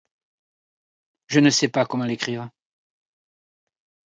Je ne sais comment l’écrire.